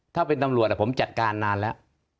ถ้าเป็นตำรวจผมจัดการนานแล้ว